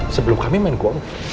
sebelum kami main golf